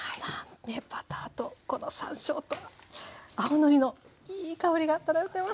バターとこの山椒と青のりのいい香りが漂ってます。